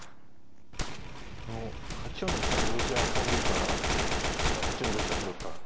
あの８四の飛車がどうせ遊ぶから８四同飛車と取ったら。